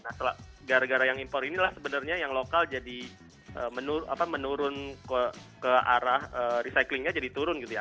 nah gara gara yang impor inilah sebenarnya yang lokal jadi menurun ke arah recyclingnya jadi turun gitu ya